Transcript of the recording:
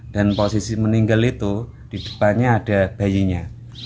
dan posisi meninggal itu di depannya ada bayinya